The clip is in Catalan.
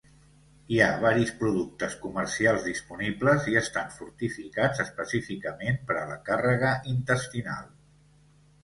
Hi ha varis productes comercials disponibles i estan fortificats específicament per a la càrrega intestinal.